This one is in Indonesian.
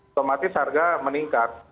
otomatis harga meningkat